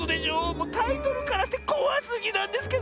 もうタイトルからしてこわすぎなんですけど！